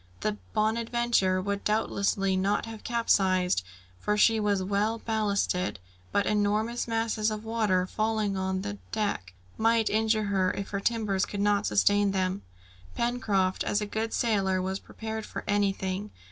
The Bonadventure would doubtlessly not have capsized, for she was well ballasted; but enormous masses of water falling on the deck, might injure her, if her timbers could not sustain them. Pencroft, as a good sailor, was prepared for anything.